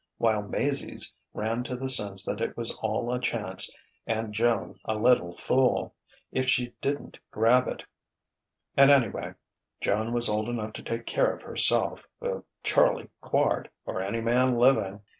while Maizie's ran to the sense that it was all a chance and Joan a little fool if she didn't grab it and anyway Joan was old enough to take care of herself with Charlie Quard or any man living!